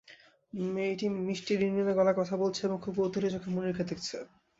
মেয়েটি মিষ্টি রিনরিনে গলায় কথা বলছে এবং খুব কৌতূহলী চোখে মুনিরকে দেখছে।